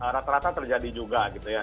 rata rata terjadi juga gitu ya